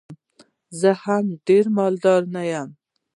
زه هم ډېر مالدار نه یم.